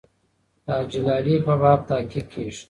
د حاجي لالي په باب تحقیق کېږي.